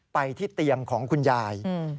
ไปที่เตียงของคุณยาย